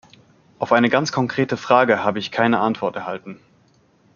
Auf eine ganz konkrete Frage habe ich keine Antwort erhalten.